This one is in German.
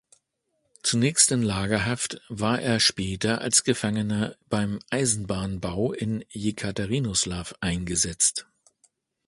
Zunächst in Lagerhaft, war er später als Gefangener beim Eisenbahnbau in Jekaterinoslaw eingesetzt.